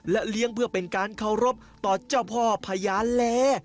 เลี้ยงเพื่อเป็นการเคารพต่อเจ้าพ่อพญาแล